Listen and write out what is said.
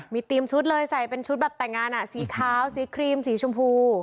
มีทีมชุดเลยใส่เป็นชุดแบบแต่งงานสีขาวสีครีมสีชมพู